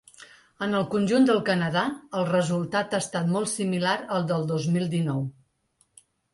En el conjunt del Canadà, el resultat ha estat molt similar al del dos mil dinou.